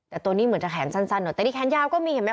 แต่ตัวนี้เหมือนจะแขนสั้นหน่อยแต่นี่แขนยาวก็มีเห็นไหมค